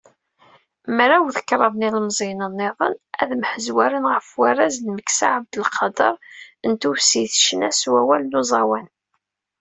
Mraw d kraḍ n yilmeẓyen-nniḍen, ad mḥezwaren ɣef warraz n Meksa Ɛabdelqader, n tewsit ccna s wallal n uẓawan.